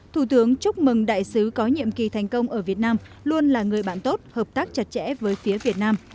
thủ tướng chúc mừng đại sứ có nhiệm kỳ thành công ở việt nam luôn là người bạn tốt hợp tác chặt chẽ với phía việt nam